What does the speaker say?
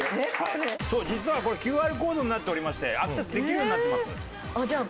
そう実はこれＱＲコードになっておりましてアクセスできるようになっています。